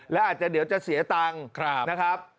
แล้วอาจจะเดี๋ยวจะเสียตังค์นะครับ